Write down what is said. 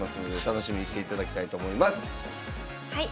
はい。